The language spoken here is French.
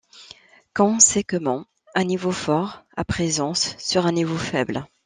Conséquemment un niveau fort a préséance sur un niveau faible.